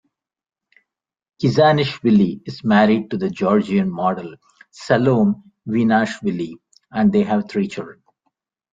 Khizanishvili is married to the Georgian model Salome Ghviniashvili and they have three children.